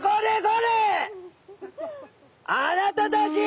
「あなたたち！」。